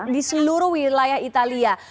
di seluruh wilayah italia